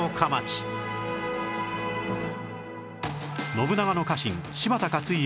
信長の家臣柴田勝家